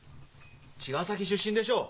茅ヶ崎出身でしょ。